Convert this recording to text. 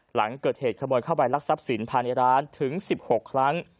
หลังเกิดเหตุขโมยเข้าไปรักทรัพย์สินภายในร้านถึง๑๖ครั้ง